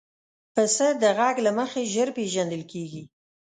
پسه د غږ له مخې ژر پېژندل کېږي.